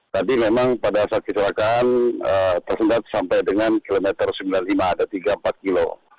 tadi memang pada saat kecelakaan tersendat sampai dengan kilometer sembilan puluh lima ada tiga puluh empat kilo